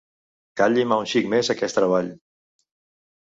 Cal llimar un xic més aquest treball.